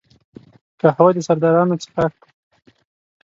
قهوه د سردارانو څښاک دی